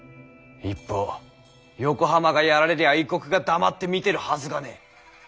一方横浜がやられりゃ異国が黙って見てるはずがねぇ。